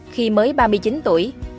khi mới ba mươi chín tuổi